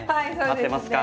合ってますか？